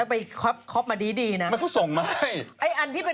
อันนี้เป็นข้ออ้างของที่อยากมีเมียเยอะ